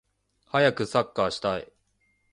はやくサッカーをしたい